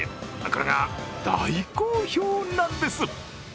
これが大好評なんです！